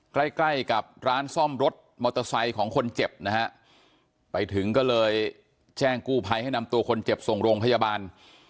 ใกล้ใกล้กับร้านซ่อมรถมอเตอร์ไซค์ของคนเจ็บนะฮะไปถึงก็เลยแจ้งกู้ภัยให้นำตัวคนเจ็บส่งโรงพยาบาล